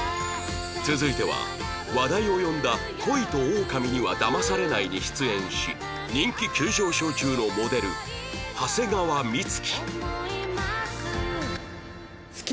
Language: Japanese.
続いては話題を呼んだ『恋とオオカミには騙されない』に出演し人気急上昇中のモデル長谷川美月